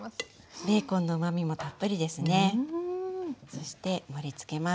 そして盛りつけます。